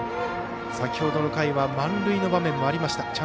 先ほどの回は満塁の場面もありました